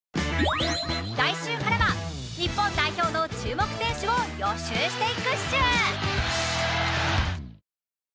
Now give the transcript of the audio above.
来週からは日本代表の注目選手を予シューしていくっシュー。